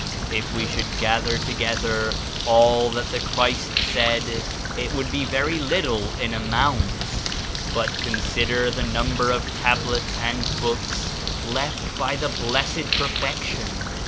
If we should gather together all that the Christ said it would be very little in amount. But consider the number of Tablets and Books left by the Blessed Perfection!